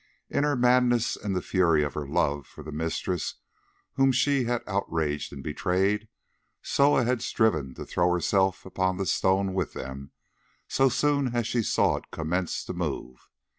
In her madness and the fury of her love for the mistress whom she had outraged and betrayed, Soa had striven to throw herself upon the stone with them so soon as she saw it commence to move.